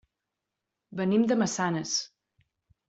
Venim de Massanes.